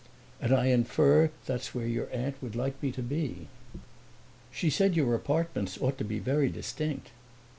"And I infer that that's where your aunt would like me to be." "She said your apartments ought to be very distinct."